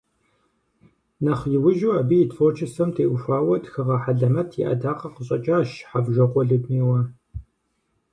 Нэхъ иужьу абы и творчествэм теухуауэ тхыгъэ хьэлэмэт и Ӏэдакъэ къыщӀэкӀащ Хьэвжокъуэ Людмилэ.